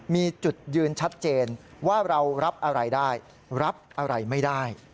มีจุดยืนชัดเจนว่าเรารับอะไรได้รับอะไรไม่ได้